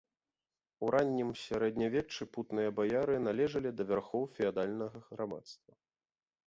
У раннім сярэднявеччы путныя баяры належалі да вярхоў феадальнага грамадства.